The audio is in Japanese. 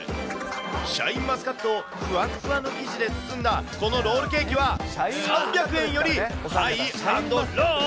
シャインマスカットをふわっふわな生地で包んだこのロールケーキは、３００円よりハイ＆ロー？